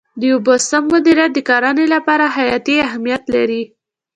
د اوبو سم مدیریت د کرنې لپاره حیاتي اهمیت لري.